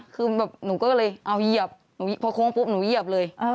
คือแบบหนูก็เลยเอาเหยียบพอโค้งปุ๊บหนูเหยียบเลย